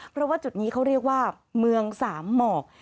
เพราะว่าจุดนี้เขาเรียกว่าเมืองสามหมอก